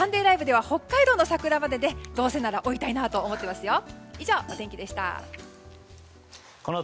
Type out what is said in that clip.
では北海道の桜までどうせなら追いたいなと思ってますよ。